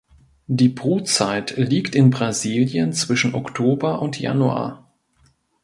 Die Brutzeit liegt in Brasilien zwischen Oktober und Januar.